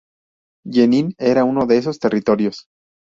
Yenín era uno de esos territorios.